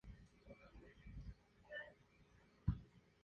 Repitió el título el año siguiente.